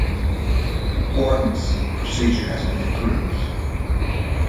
Wharton's procedure has been improved.